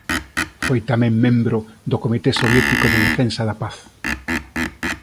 Foi tamén membro do Comité Soviético de Defensa da Paz